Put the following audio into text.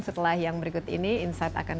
setelah yang berikut ini insight akan